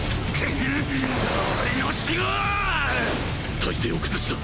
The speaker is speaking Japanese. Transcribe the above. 体勢を崩した。